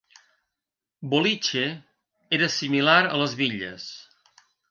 "Boliche" era similar a les bitlles.